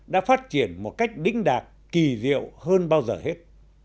đã phát triển một cách đĩnh đạt kỳ diệu hơn bao giờ hết